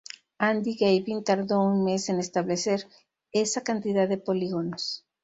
Andy Gavin tardó un mes en establecer esa cantidad de polígonos.